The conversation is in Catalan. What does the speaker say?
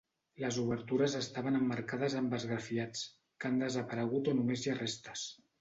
Les obertures estaven emmarcades amb esgrafiats que han desaparegut o només hi ha restes.